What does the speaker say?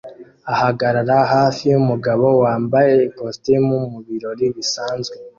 ahagarara hafi yumugabo wambaye ikositimu mubirori bisanzwe